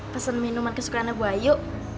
pesen minuman kesukaannya bu ayu